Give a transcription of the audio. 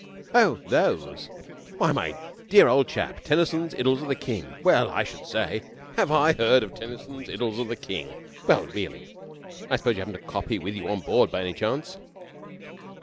"Oh, those! Why, my dear old chap; Tennyson's Idylls of the King! Well, I should say! Have I heard of Tennyson's Idylls of the King? Well, really! I suppose you haven't a copy with you on board by any chance?"